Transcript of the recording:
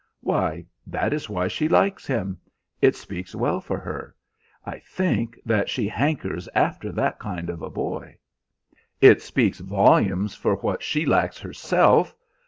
"Why, that is why she likes him. It speaks well for her, I think, that she hankers after that kind of a boy." "It speaks volumes for what she lacks herself!